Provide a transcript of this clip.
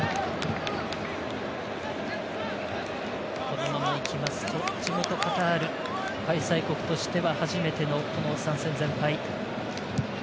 このままいきますと地元カタール開催国としては初めての３戦全敗。